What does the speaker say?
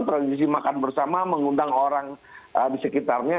tradisi makan bersama mengundang orang di sekitarnya